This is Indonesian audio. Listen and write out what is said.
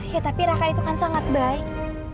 ya tapi raka itu kan sangat baik